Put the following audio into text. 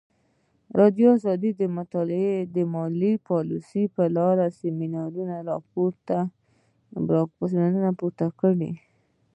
ازادي راډیو د مالي پالیسي په اړه د سیمینارونو راپورونه ورکړي.